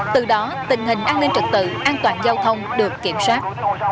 từ đó tình hình an ninh trật tự an toàn giao thông được kiểm soát